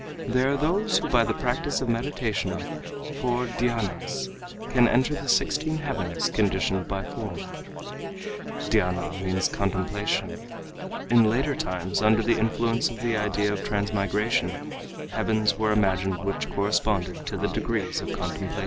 There are those who by the practice of meditation (four dkyanas) [Footnote: Dhyana means contemplation. In later times under the influence of the idea of transmigration heavens were imagined which corresponded to the degrees of contemplation.